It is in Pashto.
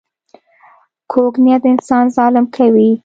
کوږ نیت انسان ظالم کوي